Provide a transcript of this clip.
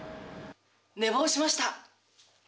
寝坊しました！